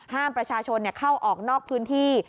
ห้ามประชาชนเข้าออกนอกพื้นที่